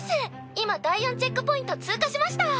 今第４チェックポイント通過しました。